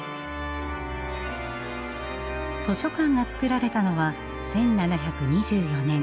図書館が作られたのは１７２４年。